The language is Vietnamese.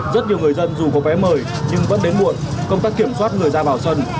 rất nhiều người dân dù có vé mời nhưng vẫn đến muộn công tác kiểm soát người ra vào sân